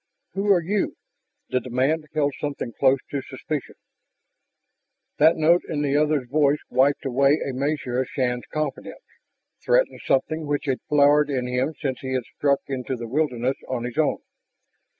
"Who are you?" The demand held something close to suspicion. That note in the other's voice wiped away a measure of Shann's confidence, threatened something which had flowered in him since he had struck into the wilderness on his own.